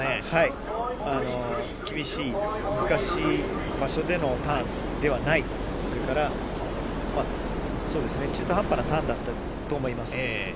厳しい、難しい場所でのターンではない、それから中途半端なターンだったと思います。